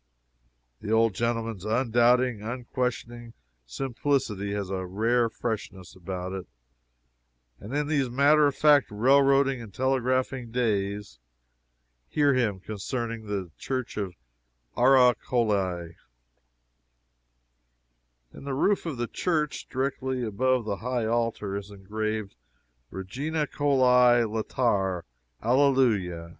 The old gentleman's undoubting, unquestioning simplicity has a rare freshness about it in these matter of fact railroading and telegraphing days. Hear him, concerning the church of Ara Coeli: "In the roof of the church, directly above the high altar, is engraved, 'Regina Coeli laetare Alleluia.'